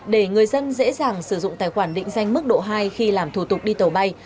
để người dân dễ dàng sử dụng tài khoản định danh mức độ hai khi làm thủ tục đi tàu bay